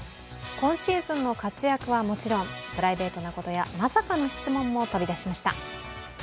今シーズンの活躍はもちろんプライベートなことやまさかの質問も飛び出しました。